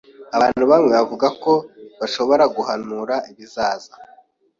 Abantu bamwe bavuga ko bashobora guhanura ibizaza.